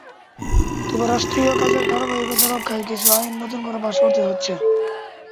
তবে রাষ্ট্রীয় কাজের ধারাবাহিকতা রক্ষায় কিছু আইন নতুন করে পাস করতে হচ্ছে।